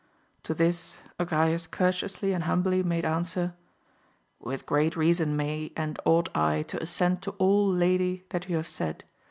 To this Agrayes courteously and humbly made answer. With great reason may and ought I to assent to all lady that you have said.